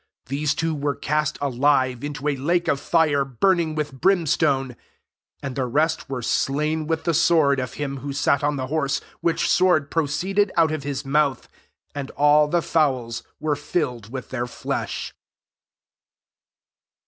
These two were cast alive into a lake of Are burning with brimstone. 21 And the rest were slain with the sword of him who sat on the horse, which BVford proceeded out of his mouth : and all the fowls were filled with their flesh.